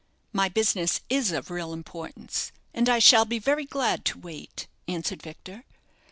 "My business is of real importance; and I shall be very glad to wait," answered Victor.